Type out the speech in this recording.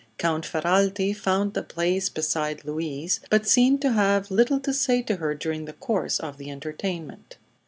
Count Ferralti found a place beside Louise, but seemed to have little to say to her during the course of the entertainment.